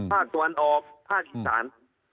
ภาคสวรรค์ออภภาคอีสาน